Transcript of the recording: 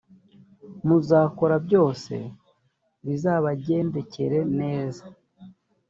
muzakora byose bizabagendekere neza